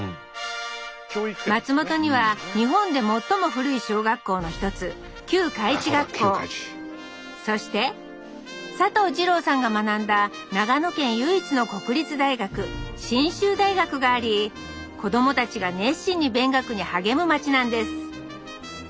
松本には日本で最も古い小学校の一つ旧開智学校そして佐藤二朗さんが学んだ長野県唯一の国立大学信州大学があり子どもたちが熱心に勉学に励む町なんです